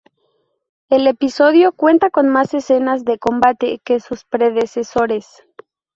El episodio cuenta con más escenas de combate que sus predecesores.